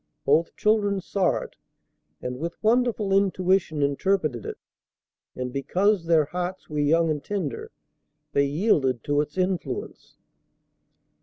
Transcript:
Both children saw it, and with wonderful intuition interpreted it; and because their hearts were young and tender they yielded to its influence.